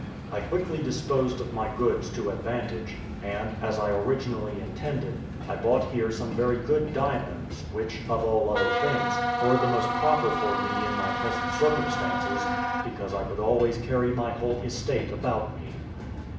I quickly disposed of my goods to advantage; and, as I originally intended, I bought here some very good diamonds, which, of all other things, were the most proper for me in my present circumstances, because I could always carry my whole estate about me.